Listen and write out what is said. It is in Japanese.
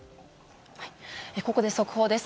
ここで速報です。